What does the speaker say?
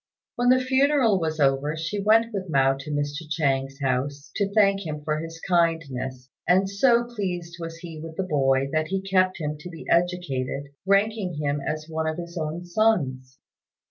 When the funeral was over, she went with Mao to Mr. Chang's house, to thank him for his kindness; and so pleased was he with the boy that he kept him to be educated, ranking him as one of his own sons.